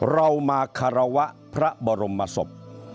เรามาคารวะพระบรมศพ